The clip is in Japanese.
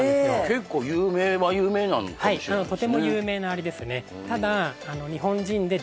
結構有名は有名なのかもしれないですね